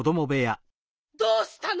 どうしたの？